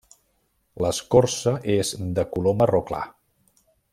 L'escorça és de color marró clar.